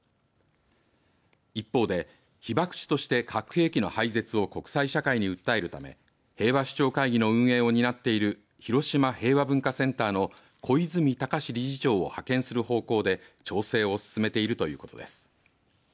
一方で被爆地として核兵器の廃絶を国際社会に訴えるため平和首長会議の運営を担っている広島平和文化センターの小泉崇理事長を派遣する方向で調整を進めているということです。